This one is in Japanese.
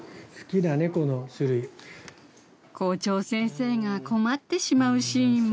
校長先生が困ってしまうシーンも。